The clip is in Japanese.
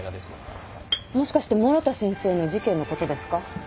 もしかして諸田先生の事件のことですか？